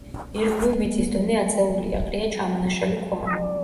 ირგვლივ მიწის დონე აწეულია, ყრია ჩამონაშალი ქვა.